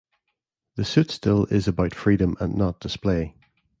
The suit still is about freedom and not display.